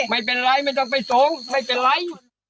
ไม่เป็นไรมันต้องไปส่งไม่เป็นไร